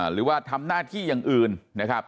หรือว่าทำหน้าที่อย่างอื่นนะครับ